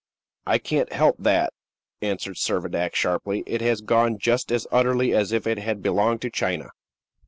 "I can't help that," answered Servadac, sharply; "it has gone just as utterly as if it had belonged to China."